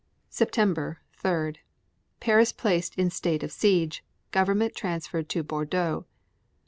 September 3. Paris placed in state of siege; government transferred to Bordeaux.